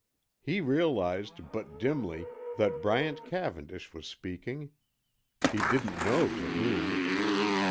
He realized, but dimly, that Bryant Cavendish was speaking. He didn't know to whom.